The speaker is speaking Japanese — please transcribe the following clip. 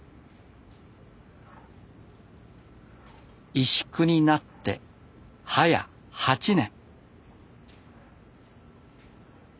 石工になってはや８年。